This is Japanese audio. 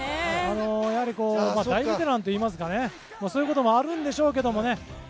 やはり大ベテランといいますかねそういうこともあるんでしょうけどもね